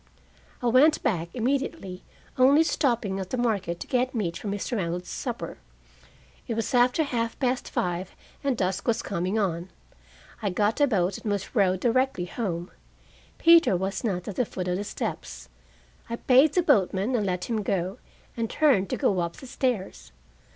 I went back immediately, only stopping at the market to get meat for Mr. Reynolds' supper. It was after half past five and dusk was coming on. I got a boat and was rowed directly home. Peter was not at the foot of the steps. I paid the boatman and let him go, and turned to go up the stairs.